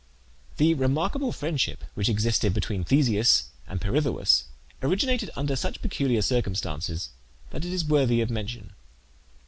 The remarkable friendship which existed between Theseus and Pirithoeus originated under such peculiar circumstances that it is worthy of mention.